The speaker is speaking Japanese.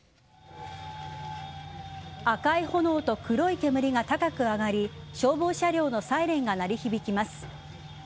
赤い炎と黒い煙が高く上がり消防車両のサイレンが鳴り響きます。